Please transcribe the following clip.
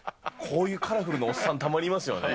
こういうカラフルなおっさん、たまにいますよね。